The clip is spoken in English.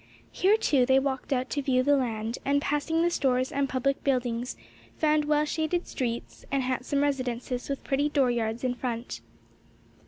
Here, too, they walked out to view the land, and passing the stores and public buildings, found well shaded streets and handsome residences with pretty door yards in front.